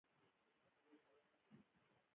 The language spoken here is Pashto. د دوستانو ملاتړ بری ته لار هواروي.